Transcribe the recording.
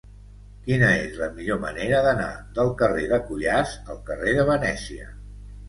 Quina és la millor manera d'anar del carrer de Cuyàs al carrer de Venècia?